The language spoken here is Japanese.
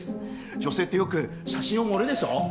女性ってよく写真を盛るでしょう？